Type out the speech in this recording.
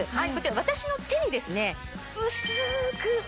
私の手にですね薄く。